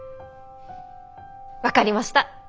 分かりました！